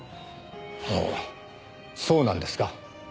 あのそうなんですか？